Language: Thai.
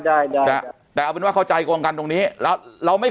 ได้ได้ได้แต่เอาเป็นว่าเขาใจกว้างกันตรงนี้แล้วเราไม่